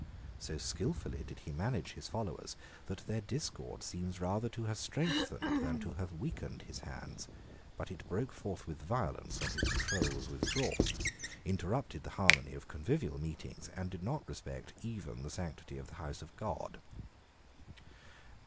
So skilfully did he manage his followers that their discord seems rather to have strengthened than to have weakened his hands but it broke forth with violence when his control was withdrawn, interrupted the harmony of convivial meetings, and did not respect even the sanctity of the house of God.